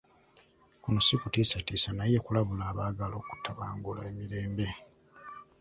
Kuno si kutiisatiisa naye kulabula abaagala okutabangula emirembe.